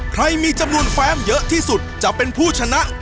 ใครมีจำนวนแฟมเยอะที่สุดจะเป็นผู้ชนะ